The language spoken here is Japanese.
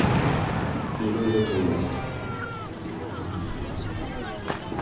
いろいろと言いますと？